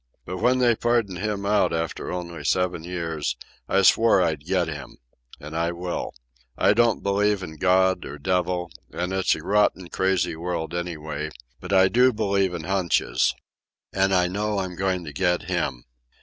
But when they pardoned him out after only seven years I swore I'd get him. And I will. I don't believe in God or devil, and it's a rotten crazy world anyway; but I do believe in hunches. And I know I'm going to get him."